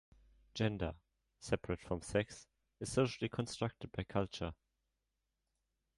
Gender, separate from sex, is socially constructed by culture.